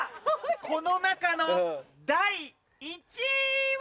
この中の第１位は？